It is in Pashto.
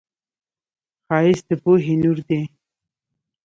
ښایست د پوهې نور دی